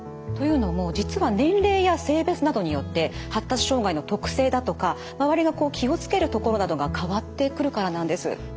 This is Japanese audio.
というのも実は年齢や性別などによって発達障害の特性だとか周りが気を付けるところなどが変わってくるからなんです。